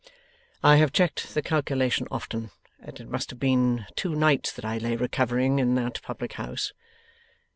'I have checked the calculation often, and it must have been two nights that I lay recovering in that public house.